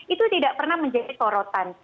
itu tidak pernah menjadi sorotan